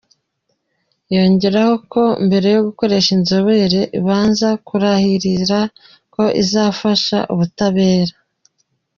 Yongeyeho ko mbere yo gukoresha inzobere ibanza kurahirira ko izafasha ubutabera.